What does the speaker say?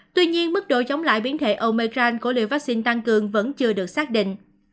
tuy nhiên mức độ chống lại biến thể omicron của liệu vaccine tăng cường vẫn chưa được xác định